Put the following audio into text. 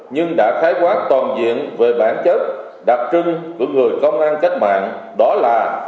nhưng đã khái quát toàn diện về bản chất đặc trưng của người công an cách mạng đó là